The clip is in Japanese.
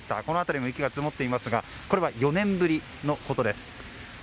この辺りも雪が積もっていますがこれは４年ぶりのことです。